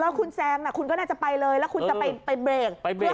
แล้วคุณแซงคุณก็น่าจะไปเลยแล้วคุณจะไปเบรก